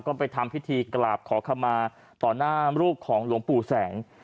ก็ไปทำพิธีกราบขอขมาต่อหน้ารูปของหลวงปู่แสง